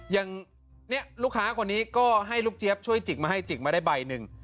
อย่างเนี่ยลูกค้าคนนี้ก็ให้ลูกเจี๊ยบช่วยจิกมาให้จิกมาได้ใบหนึ่ง